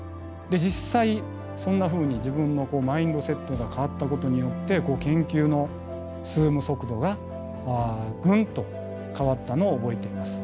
実際そんなふうに自分のマインドセットが変わったことによって研究の進む速度がグンと変わったのを覚えています。